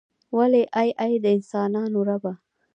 ولې ای ای د انسانانو ربه.